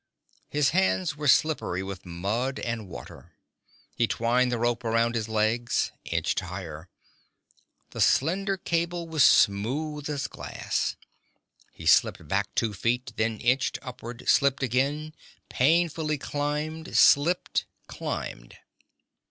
His hands were slippery with mud and water. He twined the rope around his legs, inched higher. The slender cable was smooth as glass. He slipped back two feet, then inched upward, slipped again, painfully climbed, slipped, climbed.